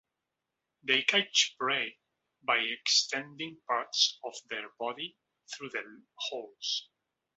They catch prey by extending parts of their body through the holes.